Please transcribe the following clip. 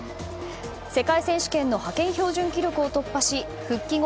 世界選手権の派遣標準記録を突破し復帰後